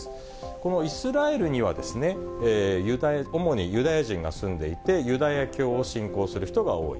このイスラエルには、主にユダヤ人が住んでいて、ユダヤ教を信仰する人が多い。